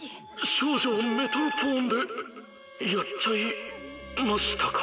少女をメトロポーンでやっちゃいましたか？